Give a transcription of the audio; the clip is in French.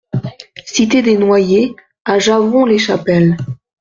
Cité des Noyers à Javron-les-Chapelles